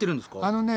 あのね